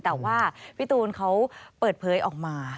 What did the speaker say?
แต่ว่าพี่ตูนเขาเปิดเผยออกมา